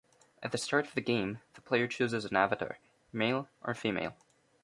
At the start of the game, the player chooses an avatar, male or female.